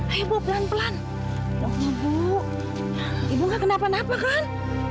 ayo pelan pelan bu ibu enggak kenapa napa kan